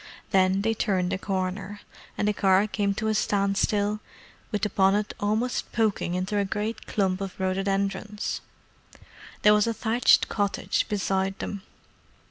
Then they turned a corner, and the car came to a standstill with her bonnet almost poking into a great clump of rhododendrons. There was a thatched cottage beside them.